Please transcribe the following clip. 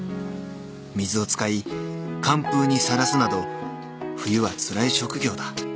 ［水を使い寒風にさらすなど冬はつらい職業だ。